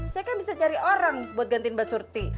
saya kan bisa cari orang buat gantiin bus surti